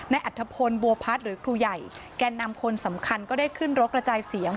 อัธพลบัวพัฒน์หรือครูใหญ่แก่นำคนสำคัญก็ได้ขึ้นรถกระจายเสียง